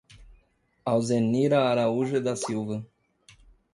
Alzenira Araújo da Silva